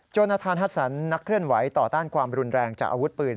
จนอาคารฮัสสันนักเคลื่อนไหวต่อต้านความรุนแรงจากอาวุธปืน